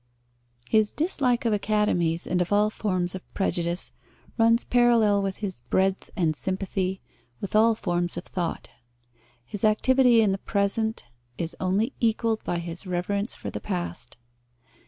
His dislike of Academies and of all forms of prejudice runs parallel with his breadth and sympathy with all forms of thought. His activity in the present is only equalled by his reverence for the past.